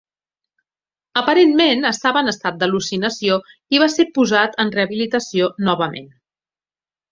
Aparentment estava en estat d'al·lucinació i va ser posat en rehabilitació novament.